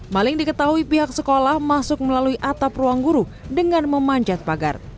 maling diketahui pihak sekolah masuk melalui atap ruang guru dengan memanjat pagar